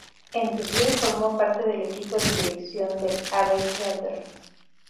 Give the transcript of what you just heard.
En Dublín formó parte del equipo de dirección del Abbey Theatre.